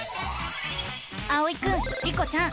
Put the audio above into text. あおいくんリコちゃん